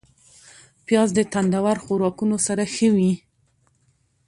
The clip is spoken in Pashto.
پیاز د تندور خوراکونو سره ښه وي